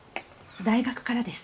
大学からです。